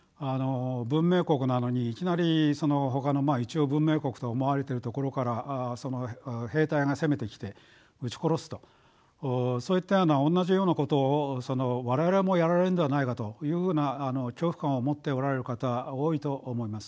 文明国なのにいきなりほかの一応文明国と思われてる所から兵隊が攻めてきて撃ち殺すとそういったような同じようなことを我々もやられるんではないかというふうな恐怖感を持っておられる方多いと思います。